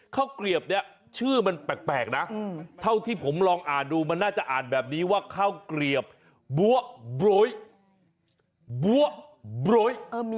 เกลียบเนี่ยชื่อมันแปลกนะเท่าที่ผมลองอ่านดูมันน่าจะอ่านแบบนี้ว่าข้าวเกลียบบัวบรวย